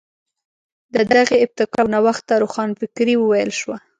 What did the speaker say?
د دغې ابتکار او نوښت ته روښانفکري وویل شوه.